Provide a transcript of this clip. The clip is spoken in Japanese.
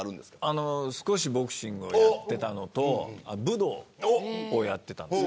少しボクシングをやっていたのと武道をやってたんです。